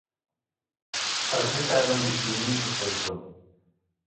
Ez nikarim bi çînî bipeyivim.